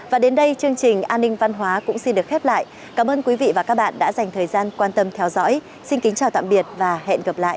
và đến đây chương trình an ninh văn hóa cũng xin được khép lại cảm ơn quý vị và các bạn đã dành thời gian quan tâm theo dõi xin kính chào tạm biệt và hẹn gặp lại